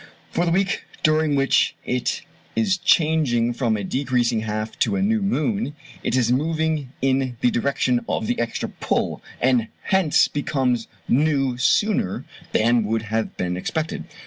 For the week during which it is changing from a decreasing half to a new moon it is moving in the direction of the extra pull, and hence becomes new sooner than would have been expected.